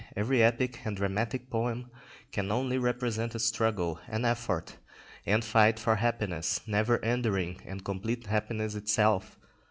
Every epic and dramatic poem can only represent a struggle, an effort, and fight for happiness, never enduring and complete happiness itself.